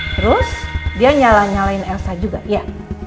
terus dia nyala nyalain elsa juga iya